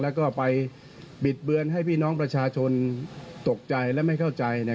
แล้วก็ไปบิดเบือนให้พี่น้องประชาชนตกใจและไม่เข้าใจ